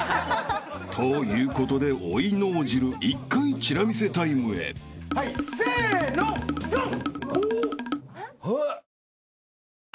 ［ということで追い脳汁１回チラ見せタイムへ］はいせのドン！